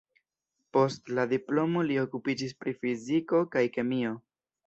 Post la diplomo li okupiĝis pri fiziko kaj kemio.